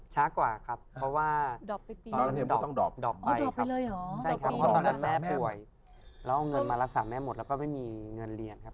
ช้ากว่าครับเพราะว่าตอนนั้นแม่ผ่วยแล้วเอาเงินมารักษาแม่หมดแล้วก็ไม่มีเงินเรียนครับ